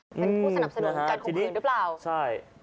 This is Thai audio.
เป็นผู้สนับสนุนการคงคืนหรือเปล่าใช่อืมนะฮะที่นี่